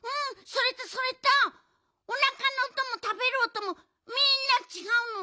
それとそれとおなかのおともたべるおともみんなちがうの。